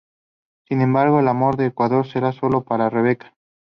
Sin embargo, el amor de Eduardo será solo para Rebeca.